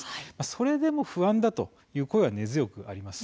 それでも不安だという声は根強くあります。